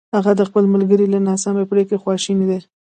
هغه د خپل ملګري له ناسمې پرېکړې خواشینی دی!